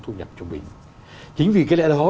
thu nhập trung bình chính vì cái lẽ đó